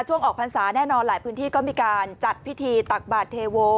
ช่วงออกพันธ์ศาสตร์แน่นอนหลายพื้นที่ก็มีการจัดพิธีตักบาทเทโว